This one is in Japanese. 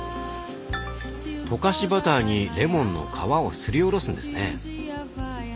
溶かしバターにレモンの皮をすりおろすんですね。